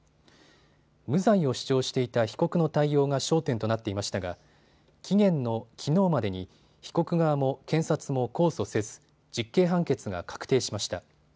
無罪を主張していた被告の対応が焦点となっていましたが期限のきのうまでに被告側も検察も控訴せず、実刑判決が確定しました。